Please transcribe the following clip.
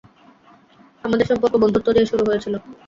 আমাদের সম্পর্ক বন্ধুত্ব দিয়ে শুরু হয়েছিল।